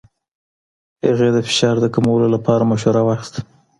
هغې د فشار د کمولو لپاره مشوره واخیسته.